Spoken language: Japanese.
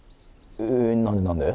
え何で何で？